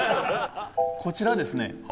こちらですね